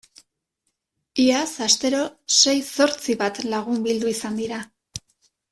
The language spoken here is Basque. Iaz astero sei zortzi bat lagun bildu izan dira.